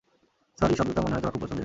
Sorry শব্দটা মনেহয় তোমার খুব পছন্দের?